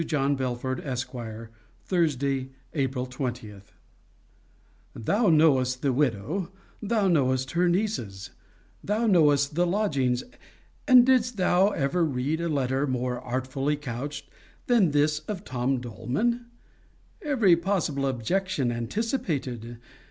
218): upon which he thus expresses himself: Thou knowest the widow; thou knowest her nieces; thou knowest the lodgings: and didst thou ever read a letter more artfully couched than this of Tom Doleman? Every possible objection anticipated!